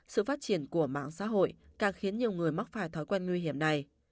sự phát triển của mạng xã hội càng khiến nhiều người mắc phải thói quen nguy hiểm này